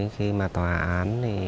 khi mà tòa án